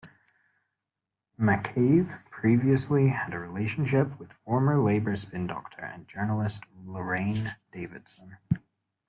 McCabe previously had a relationship with former Labour spin-doctor and journalist Lorraine Davidson.